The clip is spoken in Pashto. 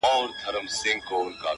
o مسافر ليونى ـ